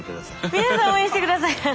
「皆さん応援して下さい」。